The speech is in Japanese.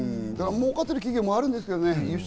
儲かってる企業もあるんですけどね。